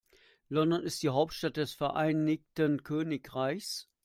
London ist die Hauptstadt des Vereinigten Königreichs.